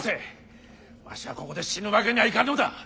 わしはここで死ぬわけにはいかんのだ。